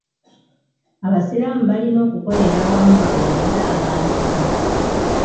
Abasiraamu balina okukolera awamu baweereze abantu.